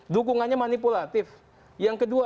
dukungannya manipulatif yang kedua